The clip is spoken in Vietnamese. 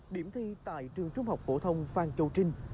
điểm thi tại trường trung học phổ thông phan châu trinh